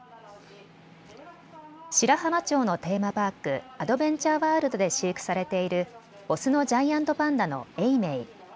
白浜町のテーマパーク、アドベンチャーワールドで飼育されている雄のジャイアントパンダの永明。